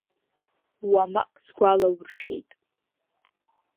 Уамак сгәалауршәеит!